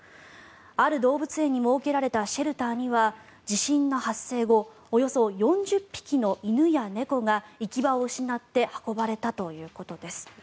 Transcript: ある動物園に設けられたシェルターには地震の発生後およそ４０匹の犬や猫が行き場を失って運ばれたということです。